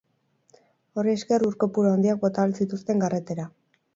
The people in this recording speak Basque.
Horri esker, ur kopuru handiak bota ahal zituzten garretara.